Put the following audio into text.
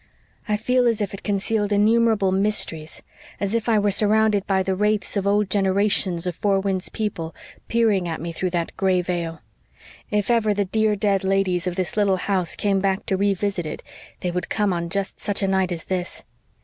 I feel as if it concealed innumerable mysteries as if I were surrounded by the wraiths of old generations of Four Winds people peering at me through that gray veil. If ever the dear dead ladies of this little house came back to revisit it they would come on just such a night as this.